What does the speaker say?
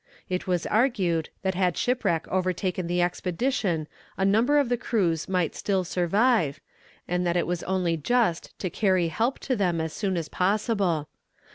It was argued, that had shipwreck overtaken the expedition a number of the crews might still survive, and that it was only just to carry help to them as soon as possible.